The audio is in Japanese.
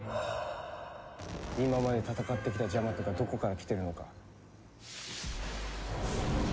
今まで戦ってきたジャマトがどこから来てるのか。